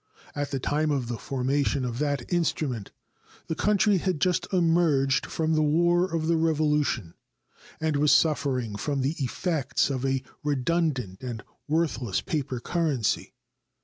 At the time of the formation of that instrument the country had just emerged from the War of the Revolution, and was suffering from the effects of a redundant and worthless paper currency.